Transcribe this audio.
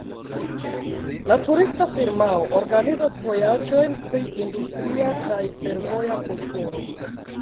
La turista firmao organizas vojaĝojn pri industria kaj fervoja kulturo.